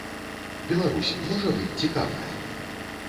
Беларусь можа быць цікавая?